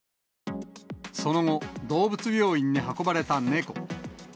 その後、動物病院に運ばれた猫。